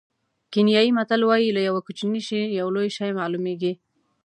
کینیايي متل وایي له یوه کوچني شي یو لوی شی معلومېږي.